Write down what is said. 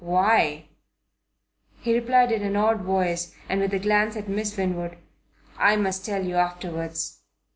"Why?" He replied in an odd voice, and with a glance at Miss Winwood. "I must tell you afterwards."